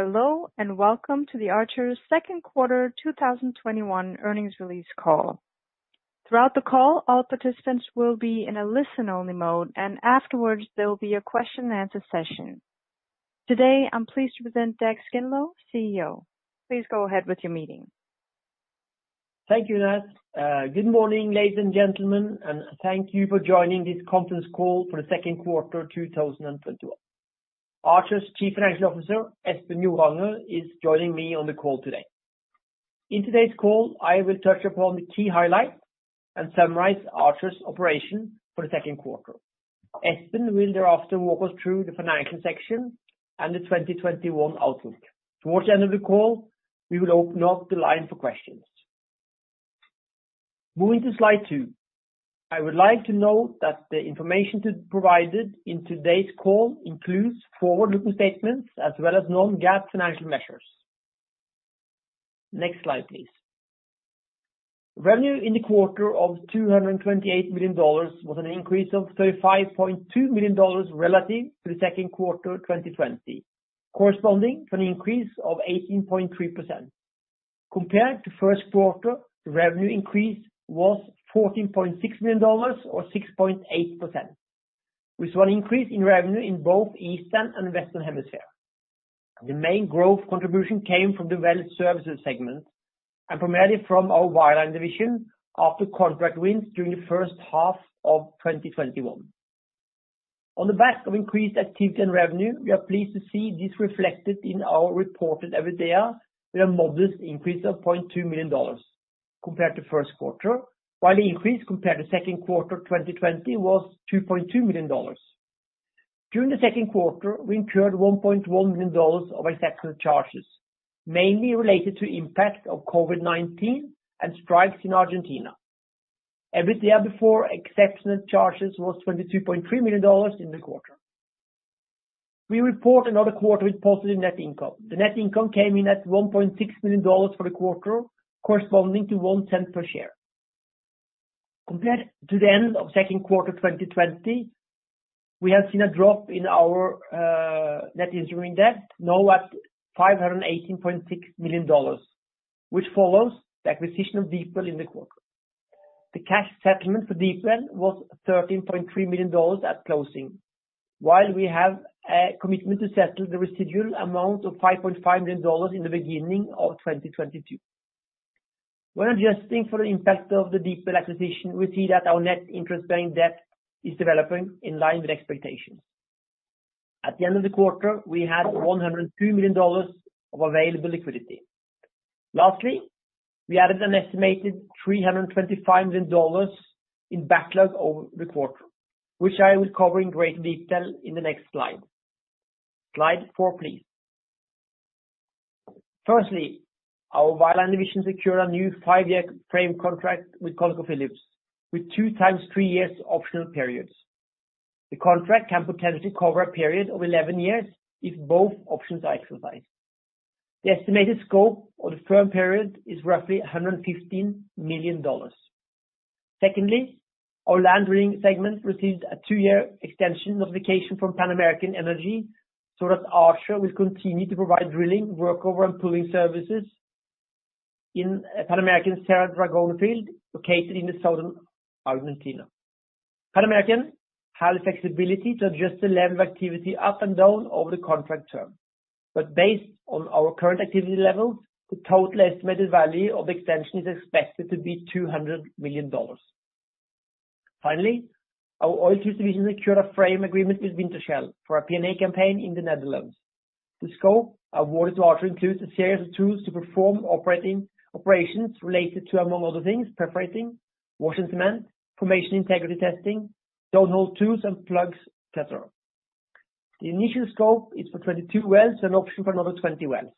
Hello, and welcome to the Archer's second quarter 2021 earnings release call. Throughout the call, all participants will be in a listen-only mode, and afterwards, there will be a question and answer session. Today, I'm pleased to present Dag Skindlo, CEO. Please go ahead with your meeting. Thank you, Nash. Good morning, ladies and gentlemen, and thank you for joining this conference call for the second quarter of 2021. Archer's Chief Financial Officer, Espen Joranger, is joining me on the call today. In today's call, I will touch upon the key highlights and summarize Archer's operation for the second quarter. Espen will thereafter walk us through the financial section and the 2021 outlook. Towards the end of the call, we will open up the line for questions. Moving to slide two, I would like to note that the information to be provided in today's call includes forward-looking statements as well as non-GAAP financial measures. Next slide, please. Revenue in the quarter of $228 million was an increase of $35.2 million relative to the second quarter of 2020, corresponding to an increase of 18.3%. Compared to first quarter, the revenue increase was $14.6 million or 6.8%, with one increase in revenue in both Eastern and Western Hemisphere. The main growth contribution came from the well services segment and primarily from our wireline division after contract wins during the first half of 2021. On the back of increased activity and revenue, we are pleased to see this reflected in our reported EBITDA, with a modest increase of $0.2 million compared to first quarter, while the increase compared to second quarter 2020 was $2.2 million. During the second quarter, we incurred $1.1 million of exceptional charges, mainly related to impact of COVID-19 and strikes in Argentina. EBITDA before exceptional charges was $22.3 million in the quarter. We report another quarter with positive net income. The net income came in at $1.6 million for the quarter, corresponding to $0.01 per share. Compared to the end of second quarter 2020, we have seen a drop in our net interest-bearing debt, now at $518.6 million, which follows the acquisition of DeepWell in the quarter. The cash settlement for DeepWell was $13.3 million at closing, while we have a commitment to settle the residual amount of $5.5 million in the beginning of 2022. When adjusting for the impact of the DeepWell acquisition, we see that our net interest-bearing debt is developing in line with expectations. At the end of the quarter, we had $102 million of available liquidity. Lastly, we added an estimated $325 million in backlog over the quarter, which I will cover in great detail in the next slide. Slide four, please. Firstly, our wireline division secured a new five-year frame contract with ConocoPhillips, with two times three years optional periods. The contract can potentially cover a period of 11 years if both options are exercised. The estimated scope of the firm period is roughly $115 million. Secondly, our land drilling segment received a two-year extension notification from Pan American Energy, so that Archer will continue to provide drilling, workover, and pulling services in Pan American's Cerro Dragón field, located in the southern Argentina. Pan American has the flexibility to adjust the level of activity up and down over the contract term, but based on our current activity levels, the total estimated value of the extension is expected to be $200 million. Finally, our oilfield division secured a frame agreement with Wintershall for a P&A campaign in the Netherlands. The scope awarded to Archer includes a series of tools to perform operations related to, among other things, perforating, washing cement, formation integrity testing, downhole tools and plugs, et cetera. The initial scope is for 22 wells and option for another 20 wells.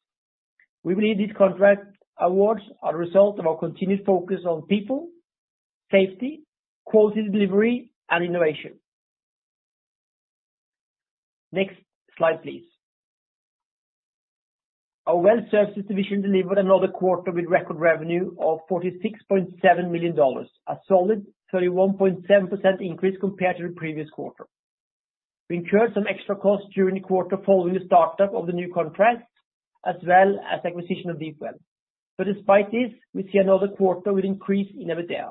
We believe these contract awards are a result of our continued focus on people, safety, quality delivery, and innovation. Next slide, please. Our Well Services division delivered another quarter with record revenue of $46.7 million, a solid 31.7% increase compared to the previous quarter. We incurred some extra costs during the quarter following the startup of the new contracts, as well as acquisition of DeepWell. Despite this, we see another quarter with increase in EBITDA.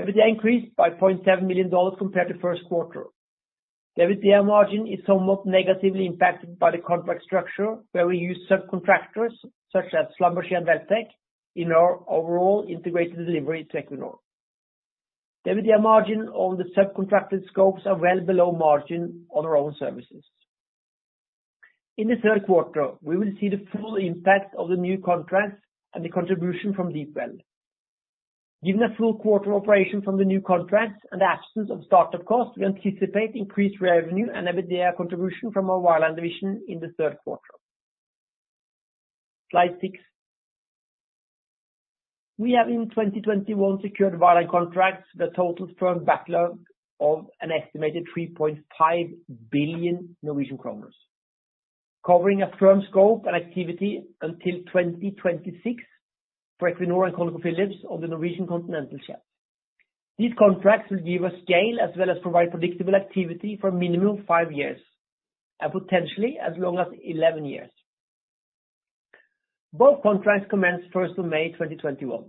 EBITDA increased by $0.7 million compared to first quarter. The EBITDA margin is somewhat negatively impacted by the contract structure, where we use subcontractors, such as Schlumberger and Welltec, in our overall integrated delivery to Equinor. EBITDA margin on the subcontracted scopes are well below margin on our own services. In the third quarter, we will see the full impact of the new contracts and the contribution from DeepWell. Given a full quarter operation from the new contracts and the absence of startup costs, we anticipate increased revenue and EBITDA contribution from our wireline division in the third quarter. Slide six. We have in 2021, secured wireline contracts with a total firm backlog of an estimated 3.5 billion Norwegian kroner, covering a firm scope and activity until 2026 for Equinor and ConocoPhillips on the Norwegian continental shelf. These contracts will give us scale as well as provide predictable activity for a minimum of five years, and potentially as long as 11 years. Both contracts commenced first of May, 2021.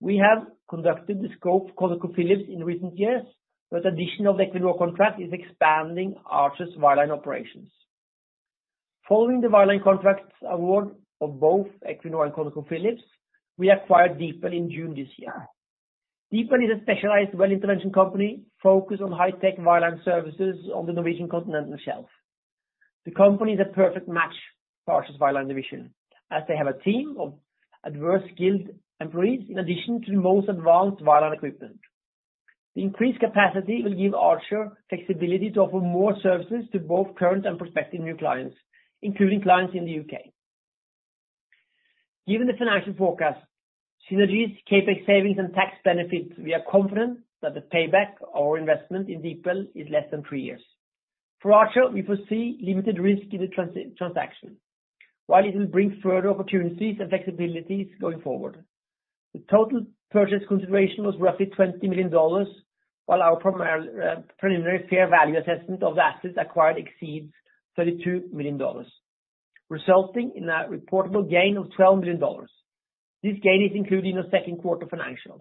We have conducted the scope ConocoPhillips in recent years, but addition of the Equinor contract is expanding Archer's wireline operations. Following the wireline contracts award of both Equinor and ConocoPhillips, we acquired DeepWell in June this year. DeepWell is a specialized well intervention company focused on high-tech wireline services on the Norwegian continental shelf. The company is a perfect match for Archer's wireline division, as they have a team of diverse skilled employees, in addition to the most advanced wireline equipment. The increased capacity will give Archer flexibility to offer more services to both current and prospective new clients, including clients in the U.K. Given the financial forecast, synergies, CapEx savings, and tax benefits, we are confident that the payback on investment in DeepWell is less than three years. For Archer, we foresee limited risk in the transaction, while it will bring further opportunities and flexibilities going forward. The total purchase consideration was roughly $20 million, while our preliminary fair value assessment of the assets acquired exceeds $32 million, resulting in a reportable gain of $12 million. This gain is included in the second quarter financials.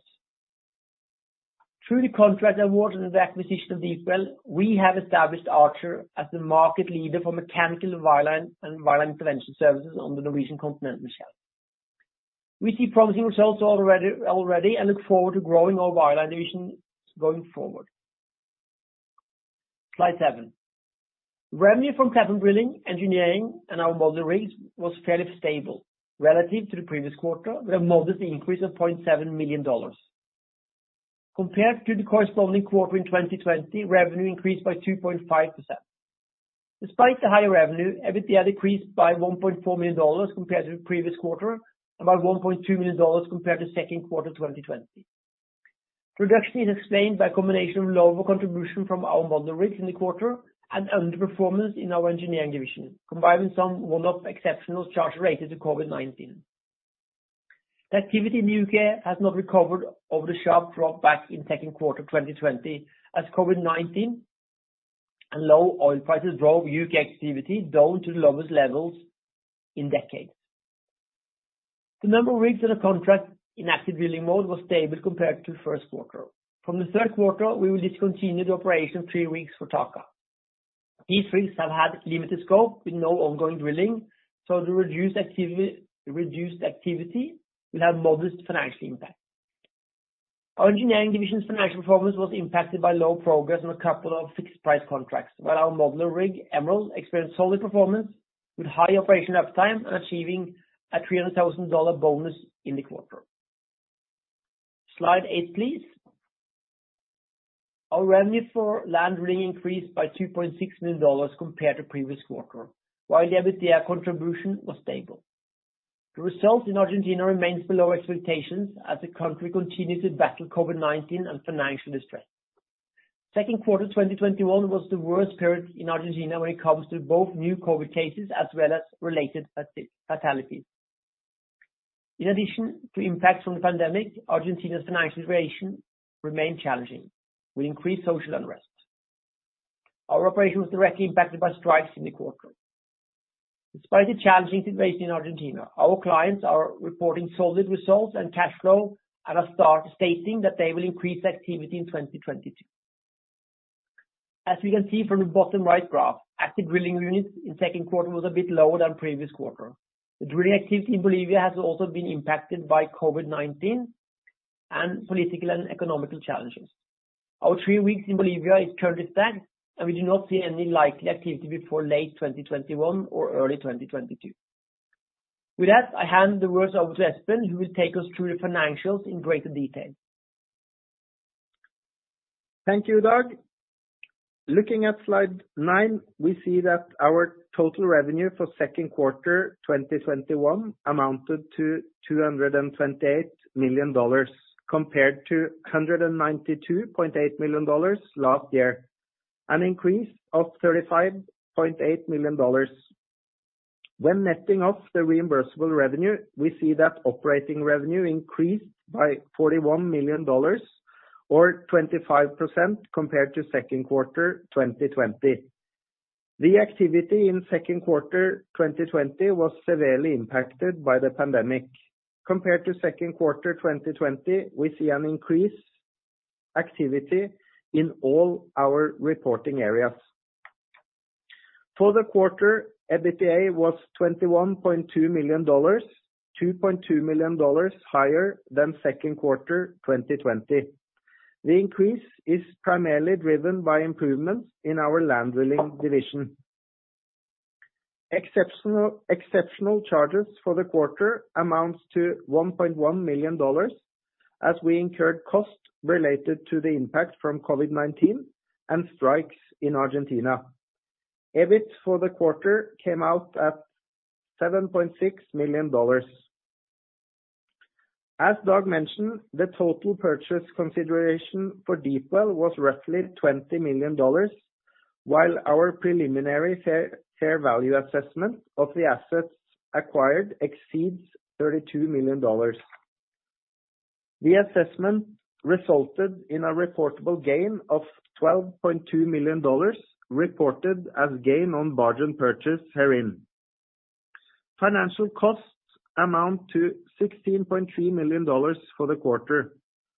Through the contract award and the acquisition of DeepWell, we have established Archer as the market leader for mechanical wireline and wireline intervention services on the Norwegian continental shelf. We see promising results already and look forward to growing our wireline division going forward. Slide seven. Revenue from platform drilling, engineering, and our modular rigs was fairly stable relative to the previous quarter, with a modest increase of $0.7 million. Compared to the corresponding quarter in 2020, revenue increased by 2.5%. Despite the higher revenue, EBITDA decreased by $1.4 million compared to the previous quarter, about $1.2 million compared to second quarter 2020. Reduction is explained by a combination of lower contribution from our modular rig in the quarter and underperformance in our engineering division, combined with some one-off exceptional charges related to COVID-19. The activity in the U.K. has not recovered over the sharp drop back in second quarter 2020, as COVID-19 and low oil prices drove U.K. activity down to the lowest levels in decades. The number of rigs in a contract in active drilling mode was stable compared to the first quarter. From the third quarter, we will discontinue the operation three rigs for TAQA. These rigs have had limited scope with no ongoing drilling, so the reduced activity will have modest financial impact. Our engineering division's financial performance was impacted by low progress on a couple of fixed-price contracts, while our modular rig, Emerald, experienced solid performance with high operation uptime and achieving a $300,000 bonus in the quarter. Slide eight, please. Our revenue for land drilling increased by $2.6 million compared to previous quarter, while the EBITDA contribution was stable. The results in Argentina remains below expectations, as the country continues to battle COVID-19 and financial distress. Second quarter 2021 was the worst period in Argentina when it comes to both new COVID cases as well as related fatalities. In addition to impacts from the pandemic, Argentina's financial situation remain challenging with increased social unrest. Our operation was directly impacted by strikes in the quarter. Despite the challenging situation in Argentina, our clients are reporting solid results and cash flow and are start stating that they will increase activity in 2022. As we can see from the bottom right graph, active drilling units in second quarter was a bit lower than previous quarter. The drilling activity in Bolivia has also been impacted by COVID-19 and political and economical challenges. Our three rigs in Bolivia is currently stacked, and we do not see any likely activity before late 2021 or early 2022. With that, I hand the words over to Espen, who will take us through the financials in greater detail. Thank you, Dag. Looking at slide nine, we see that our total revenue for second quarter 2021 amounted to $228 million, compared to $192.8 million last year, an increase of $35.8 million. When netting off the reimbursable revenue, we see that operating revenue increased by $41 million or 25% compared to second quarter 2020. The activity in second quarter 2020 was severely impacted by the pandemic. Compared to second quarter 2020, we see an increase activity in all our reporting areas. For the quarter, EBITDA was $21.2 million, $2.2 million higher than second quarter 2020. The increase is primarily driven by improvements in our land drilling division. Exceptional charges for the quarter amounts to $1.1 million, as we incurred costs related to the impact from COVID-19 and strikes in Argentina. EBIT for the quarter came out at $7.6 million. As Dag mentioned, the total purchase consideration for DeepWell was roughly $20 million. While our preliminary fair value assessment of the assets acquired exceeds $32 million, the assessment resulted in a reportable gain of $12.2 million, reported as gain on bargain purchase herein. Financial costs amount to $16.3 million for the quarter.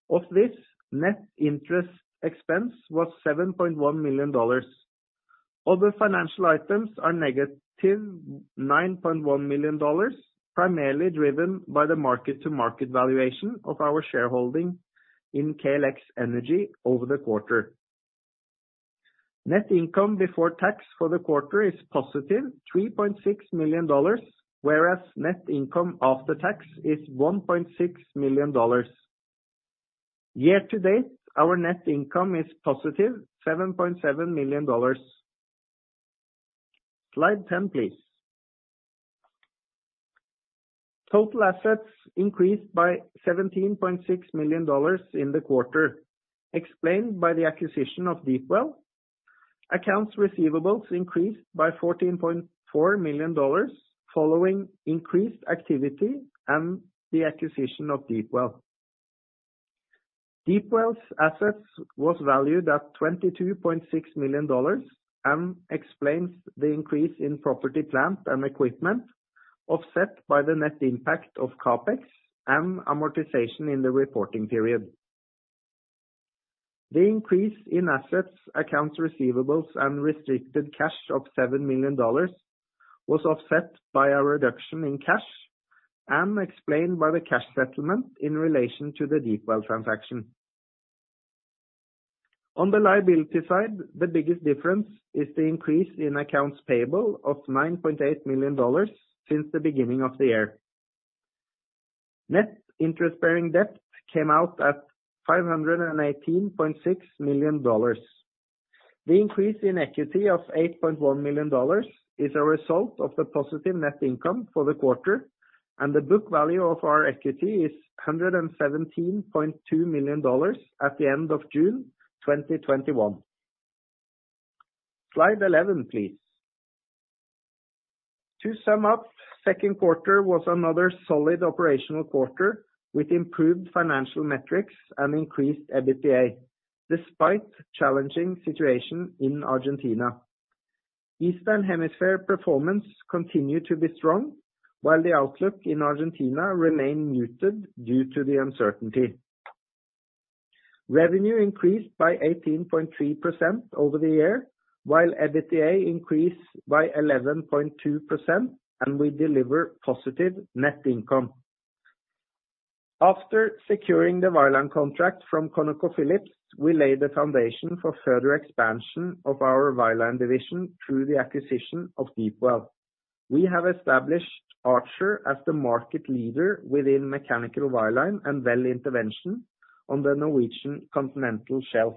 Of this, net interest expense was $7.1 million. Other financial items are -$9.1 million, primarily driven by the mark-to-market valuation of our shareholding in KLX Energy over the quarter. Net income before tax for the quarter is positive $3.6 million, whereas net income after tax is $1.6 million. Year-to-date, our net income is positive $7.7 million. Slide 10, please. Total assets increased by $17.6 million in the quarter, explained by the acquisition of DeepWell. Accounts receivables increased by $14.4 million, following increased activity and the acquisition of DeepWell. DeepWell's assets was valued at $22.6 million, and explains the increase in property, plant, and equipment, offset by the net impact of CapEx and amortization in the reporting period. The increase in assets, accounts receivables, and restricted cash of $7 million was offset by a reduction in cash and explained by the cash settlement in relation to the DeepWell transaction. On the liability side, the biggest difference is the increase in accounts payable of $9.8 million since the beginning of the year. Net interest-bearing debt came out at $518.6 million. The increase in equity of $8.1 million is a result of the positive net income for the quarter, and the book value of our equity is $117.2 million at the end of June 2021. Slide 11, please. To sum up, second quarter was another solid operational quarter, with improved financial metrics and increased EBITDA, despite challenging situation in Argentina. Eastern Hemisphere performance continued to be strong, while the outlook in Argentina remained muted due to the uncertainty. Revenue increased by 18.3% over the year, while EBITDA increased by 11.2%, and we deliver positive net income. After securing the wireline contract from ConocoPhillips, we laid the foundation for further expansion of our wireline division through the acquisition of DeepWell. We have established Archer as the market leader within mechanical wireline and well intervention on the Norwegian continental shelf.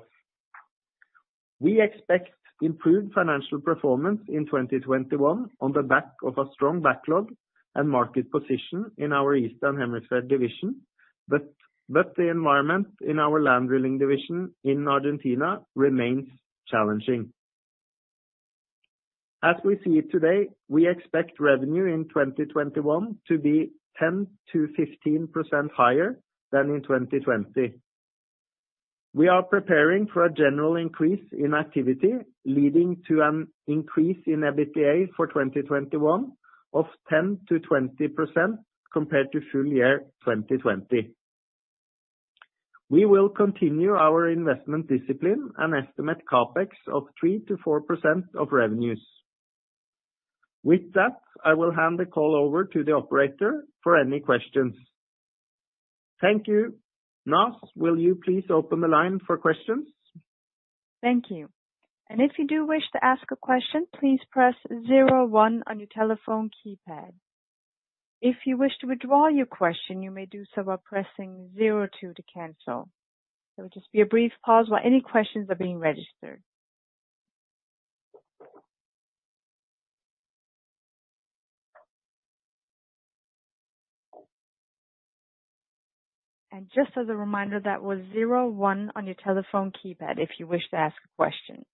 We expect improved financial performance in 2021 on the back of a strong backlog and market position in our Eastern Hemisphere division, but the environment in our land drilling division in Argentina remains challenging. As we see it today, we expect revenue in 2021 to be 10%-15% higher than in 2020. We are preparing for a general increase in activity, leading to an increase in EBITDA for 2021 of 10%-20% compared to full year 2020. We will continue our investment discipline and estimate CapEx of 3%-4% of revenues. With that, I will hand the call over to the operator for any questions. Thank you. Nas, will you please open the line for questions? Thank you. If you do wish to ask a question, please press zero one on your telephone keypad. If you wish to withdraw your question, you may do so by pressing zero two to cancel. There will just be a brief pause while any questions are being registered. Just as a reminder, that was zero one on your telephone keypad if you wish to ask a question.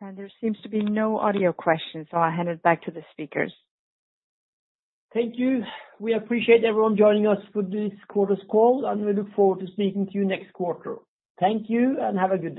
There seems to be no audio questions, so I'll hand it back to the speakers. Thank you. We appreciate everyone joining us for this quarter's call, and we look forward to speaking to you next quarter. Thank you, and have a good day.